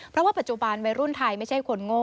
เพราะว่าปัจจุบันวัยรุ่นไทยไม่ใช่คนโง่